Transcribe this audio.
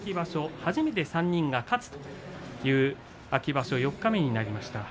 初めて３人が勝つという秋場所四日目になりました。